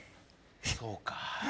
そうか。